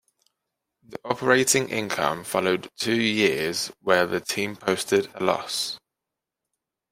The operating income followed two years where the team posted a loss.